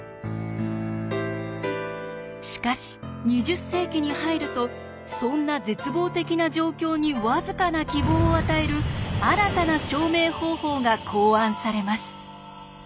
しかし２０世紀に入るとそんな絶望的な状況に僅かな希望を与える新たな証明方法が考案されます。